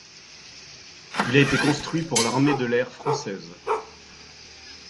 Il a été construit à pour l'Armée de l'air française.